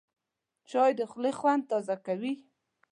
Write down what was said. چای د خولې خوند تازه کوي